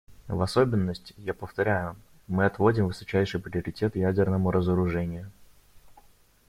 В особенности, я повторяю, мы отводим высочайший приоритет ядерному разоружению.